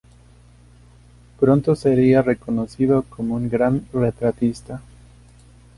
Pronto sería reconocido como un gran retratista.